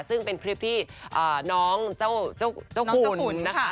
ซึ่งเป็นคลิปที่น้องเจ้าคุณจุ๋นนะคะ